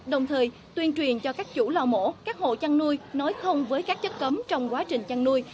đồng thời tuyên truyền cho các chủ lò mổ các hộ chăn nuôi nói không với các chất cấm trong quá trình chăn nuôi